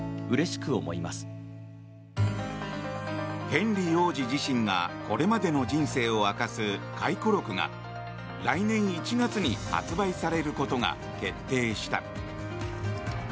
ヘンリー王子自身がこれまでの人生を明かす回顧録が来年１月に発売されることが決定した。